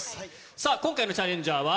さあ、今回のチャレンジャーは。